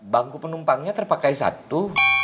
bangku penumpangnya terpakai satu